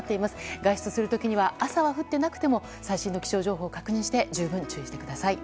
外出する時には朝は降っていなくても最新の気象情報を確認して十分注意してください。